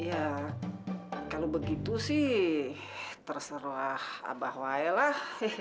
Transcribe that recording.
ya kalau begitu sih terserah abah waelah